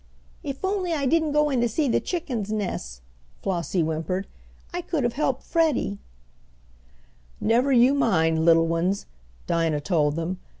"If only I didn't go in to see the chickens nests," Flossie whimpered, "I could have helped Freddie!" "Never you mind, little 'uns," Dinah told them.